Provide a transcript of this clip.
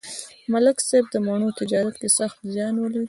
ملک صاحب د مڼو تجارت کې سخت زیان ولید.